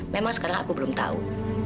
memang sekarang aku belum tahu